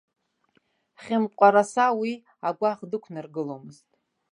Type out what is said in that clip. Хьымкәараса уи агәаӷ дықәнаргыломызт.